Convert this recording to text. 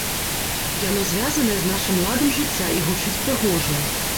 Яно звязанае з нашым ладам жыцця і гучыць прыгожа!